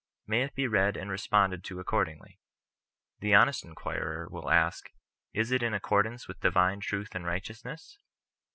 May it be read and responded to accordingly. The honest inquirer will ask, — Is it in accordance with divine truth and righte ousness?